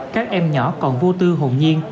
các em nhỏ còn vô tư hồn nhiên